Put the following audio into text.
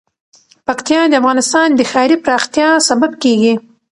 پکتیا د افغانستان د ښاري پراختیا سبب کېږي.